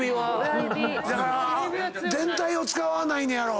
だから全体を使わないねやろ。